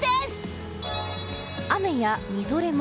雨やみぞれも。